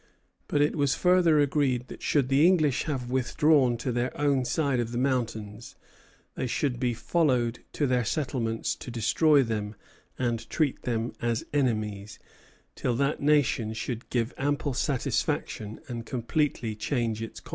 But it was further agreed that should the English have withdrawn to their own side of the mountains, "they should be followed to their settlements to destroy them and treat them as enemies, till that nation should give ample satisfaction and completely change its conduct."